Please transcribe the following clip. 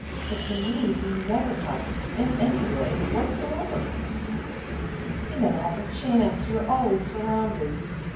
But to me he never talks, in any way whatsoever." "He never has a chance. You are always surrounded."